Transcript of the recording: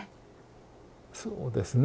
そうですね。